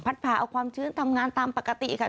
ผ่าเอาความชื้นทำงานตามปกติค่ะ